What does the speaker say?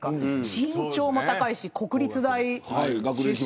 身長も高いし国立大出身。